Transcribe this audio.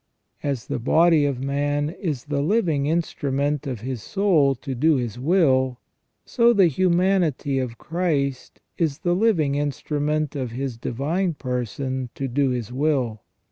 As the body of man is the living instrument of his soul to do his will, so the humanity of Christ is the living instrument of His divine person to do His will.